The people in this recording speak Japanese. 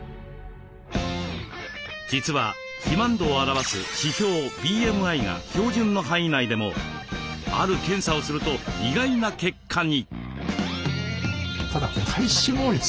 実は肥満度を表す指標ＢＭＩが標準の範囲内でもある検査をすると意外な結果に。